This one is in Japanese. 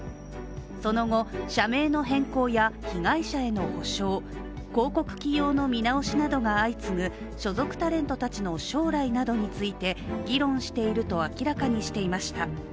その後、社名の変更や被害者への補償、広告起用の見直しなどが相次ぐ所属タレントたちの将来などについて議論していると明らかにしていました。